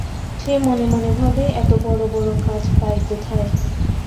সে মনে মনে ভাবে-এত বড় বড় কাচ পায় কোথায়?